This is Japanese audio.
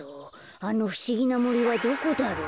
あのふしぎなもりはどこだろう？